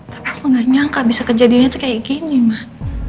tapi aku gak nyangka bisa kejadiannya kayak gini mah